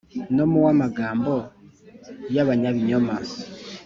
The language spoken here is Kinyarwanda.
no mu uw’amagambo y’abanyabinyoma.